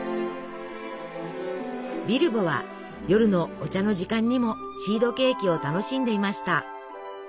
ビルボは夜のお茶の時間にもシードケーキを楽しんでいました。